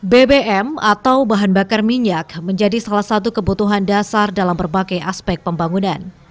bbm atau bahan bakar minyak menjadi salah satu kebutuhan dasar dalam berbagai aspek pembangunan